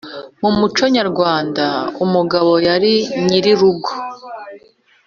Mu muco nyarwanda, umugabo yari nyiri urugo.